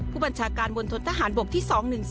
ผู้บัญชาการวนทนทหารบ่งที่๒๑๐